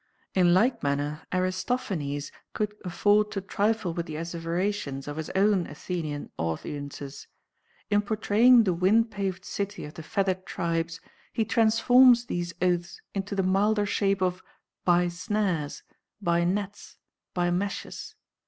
In like manner, Aristophanes could afford to trifle with the asseverations of his own Athenian audiences. In portraying the wind paved city of the feathered tribes, he transforms these oaths into the milder shape of "by snares," "by nets," "by meshes."